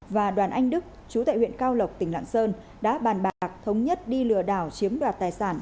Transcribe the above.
và đoàn anh đức chú tại huyện cao lộc tỉnh lạng sơn đã bàn bạc thống nhất đi lừa đảo chiếm đoạt tài sản